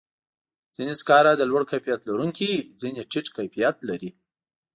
ځینې سکاره د لوړ کیفیت لرونکي وي، ځینې ټیټ کیفیت لري.